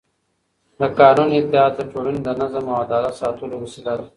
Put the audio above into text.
د قانون اطاعت د ټولنې د نظم او عدالت ساتلو وسیله ده